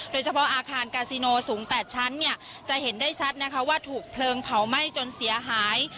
โดยเฉพาะอาคารกาซิโนสูง๘ชั้นเนี่ยจะเห็นได้ชัดนะคะว่าถูกเพลิงเผาไหม้จนเสียหาย